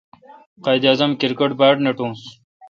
قائد اعظم کرکٹ باڑ نکوس۔